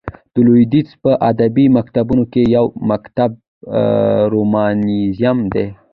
د لوېدیځ په ادبي مکتبونو کښي یو مکتب رومانتیزم دئ.